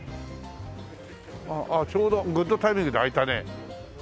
ああちょうどグッドタイミングで開いたね。